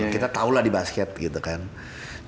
kita tahulah di basket gitu kan